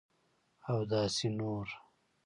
اوداسي نور